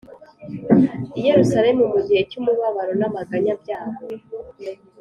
I Yerusalemu mu gihe cy’umubabaro n’amaganya byaho,